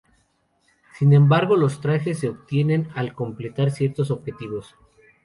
Sin embargo, los trajes se obtienen al completar ciertos objetivos.